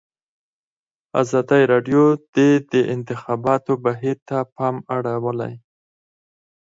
ازادي راډیو د د انتخاباتو بهیر ته پام اړولی.